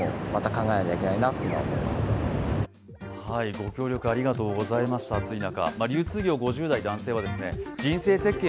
ご協力ありがとうございました、暑い中。